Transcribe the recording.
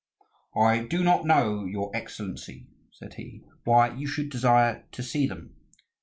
"I do not know, your excellency," said he, "why you should desire to see them.